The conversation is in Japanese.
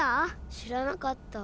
しらなかった。